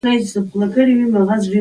خوب د زړونو تړون ته قوت ورکوي